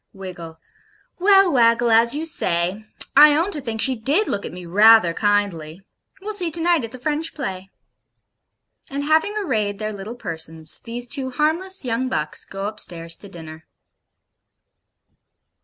WIGGLE. 'Well, Waggle, as you say I own I think she DID look at me rather kindly. We'll see to night at the French play.' And having arrayed their little persons, these two harmless young bucks go upstairs to dinner.